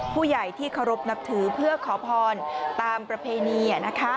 ผู้ใหญ่ที่เคารพนับถือเพื่อขอพรตามประเพณี